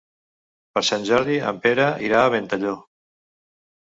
Per Sant Jordi en Pere irà a Ventalló.